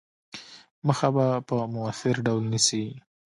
مخه به په موثِر ډول نیسي.